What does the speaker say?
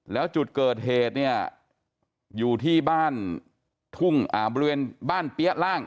แล้วจุดเกิดเหตุอยู่ที่บ้านทุ่งอาเบอร์เวียนบ้านเปี้ยะล่าง